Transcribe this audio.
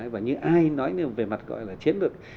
và như ai nói về mặt chiến lược